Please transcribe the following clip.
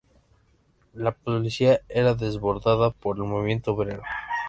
La policía era desbordada por el movimiento obrero.